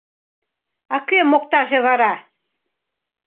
А кӧ моктаже вара?